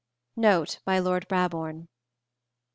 _Note by Lord Brabourne.